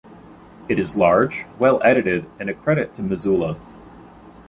It is large, well edited and a credit to Missoula.